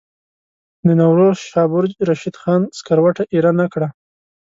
د نوروز شاه برج رشید خان سکروټه ایره نه کړه.